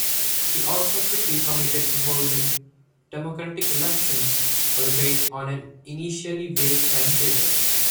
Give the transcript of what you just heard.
He also quickly committed to holding democratic elections, albeit on an initially vague timetable.